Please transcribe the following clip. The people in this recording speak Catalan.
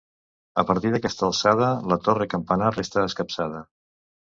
A partir d'aquesta alçada la torre-campanar resta escapçada.